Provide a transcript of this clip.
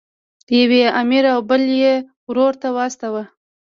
یو یې امیر او بل یې ورور ته واستاوه.